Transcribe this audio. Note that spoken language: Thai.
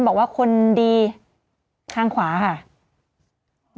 บอกว่าคนดีข้างขวาค่ะ